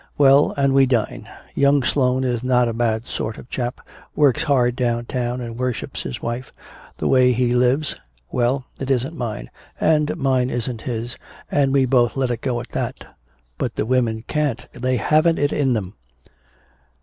Well, and we dine. Young Sloane is not a bad sort of a chap works hard downtown and worships his wife. The way he lives well, it isn't mine and mine isn't his and we both let it go at that. But the women can't, they haven't it in 'em.